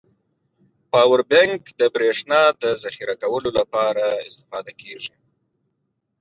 پاور بانک د بريښنا د زخيره کولو لپاره استفاده کیږی.